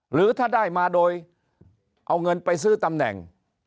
หรือถ้าได้มาโดยเอาเงินไปซื้อตำแหน่ง